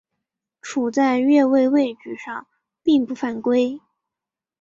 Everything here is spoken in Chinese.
处在越位位置上并不犯规。